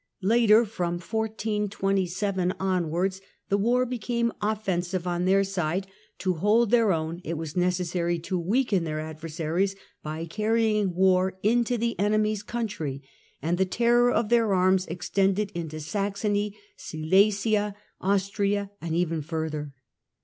Later, from 1427 onwards, the war became offensive on their side ; to hold their own it was neces sary to weaken their adversaries by carrying war into the enemy's country, and the terror of their arms extended into Saxony, Silesia, Austria and even further.